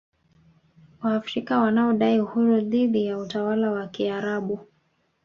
Waafrika wanaodai uhuru dhidi ya utawala wa Kiarabu